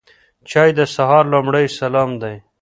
چای د سهار لومړی سلام دی.